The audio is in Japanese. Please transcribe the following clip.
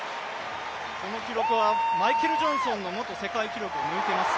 この記録はマイケル・ジョンソンの元世界記録を抜いています。